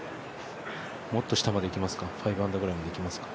もっと下までいきますか、５アンダーぐらいまでいきますか。